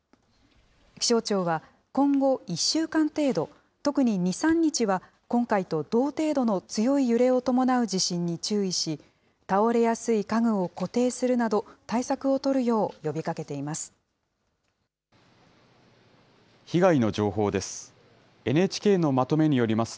気象庁は、今後１週間程度、特に２、３日は、今回と同程度の強い揺れを伴う地震に注意し、倒れやすい家具を固定するなど、対策を取るよう呼びかけています。